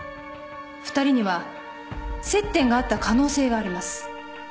２人には接点があった可能性があります。